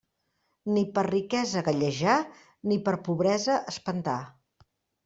Ni per riquesa gallejar ni per pobresa espantar.